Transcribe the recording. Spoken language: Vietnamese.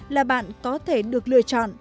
là bạn có thể được lựa chọn